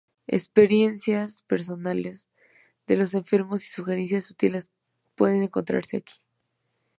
Experiencias personales de los enfermos y sugerencias útiles pueden encontrarse aquí